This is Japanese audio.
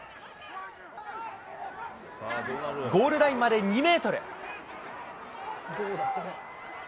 ゴールラインまで２メートル。